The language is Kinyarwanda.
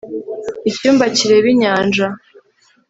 icyumba kireba inyanja